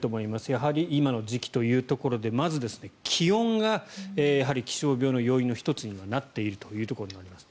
やはり今の時期というところでまず、気温が気象病の要因の１つになっているということです。